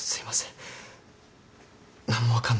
何も分かんなくて。